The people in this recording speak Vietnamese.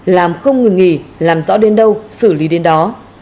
làm không ngừng nghỉ làm rõ đến đâu xử lý đến đó